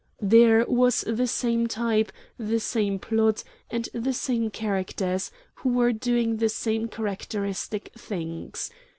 There was the same type, the same plot, and the same characters, who were doing the same characteristic things.